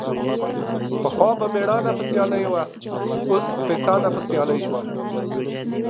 پخوا به ميړانه په سيالي وه ، اوس سپيتانه په سيالي سوه.